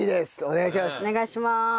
お願いします。